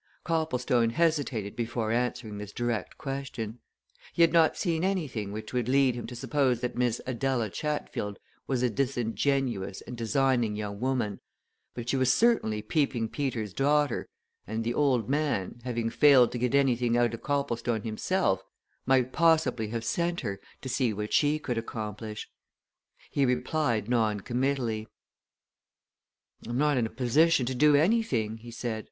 Copplestone hesitated before answering this direct question. He had not seen anything which would lead him to suppose that Miss Adela Chatfield was a disingenuous and designing young woman, but she was certainly Peeping Peter's daughter, and the old man, having failed to get anything out of Copplestone himself, might possibly have sent her to see what she could accomplish. He replied noncommittally. "I'm not in a position to do anything," he said.